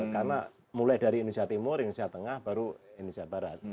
karena mulai dari indonesia timur indonesia tengah baru indonesia barat